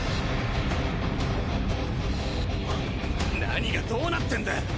なにがどうなってんだ？